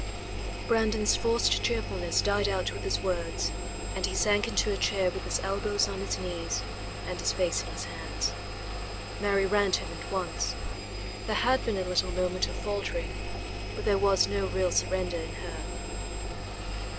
Brandon's forced cheerfulness died out with his words, and he sank into a chair with his elbows on his knees and his face in his hands. Mary ran to him at once. There had been a little moment of faltering, but there was no real surrender in her.